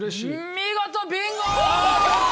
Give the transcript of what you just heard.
見事ビンゴ！